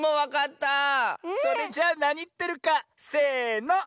それじゃなにってるかせの。